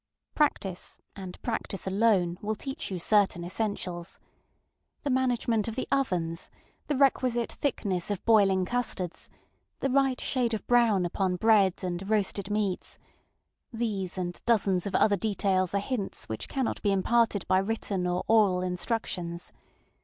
Practice, and practice alone, will teach you certain essentials. The management of the ovens, the requisite thickness of boiling custards, the right shade of brown upon bread and roasted meatsŌĆöthese and dozens of other details are hints which cannot be imparted by written or oral instructions.